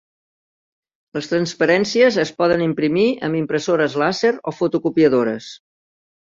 Les transparències es poden imprimir amb impressores làser o fotocopiadores.